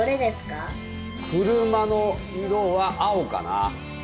車の色は青かな。